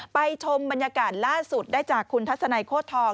ไปชมภายลักษณะล่าสุดได้จากนางคัมศ์คุณทัศนไหนโค้ดทอง